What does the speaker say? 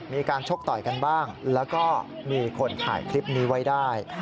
ชกต่อยกันบ้างแล้วก็มีคนถ่ายคลิปนี้ไว้ได้